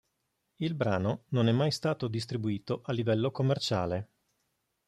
Il brano non è mai stato distribuito a livello commerciale.